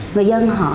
người dân họ